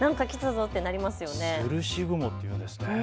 つるし雲っていうんですね。